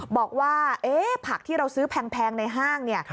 บอกว่าผักที่เราซื้อแพงในห้างเนี่ย